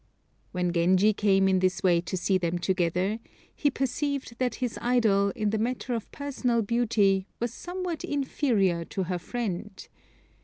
When Genji came in this way to see them together, he perceived that his idol, in the matter of personal beauty, was somewhat inferior to her friend.